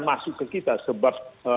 masuk ke kita sebab